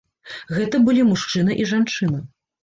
Гэта былі мужчына і жанчына.